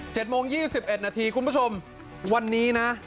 โมงยี่สิบเอ็ดนาทีคุณผู้ชมวันนี้นะ